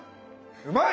うまい！